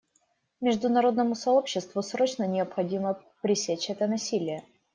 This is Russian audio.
Международному сообществу срочно необходимо пресечь это насилие.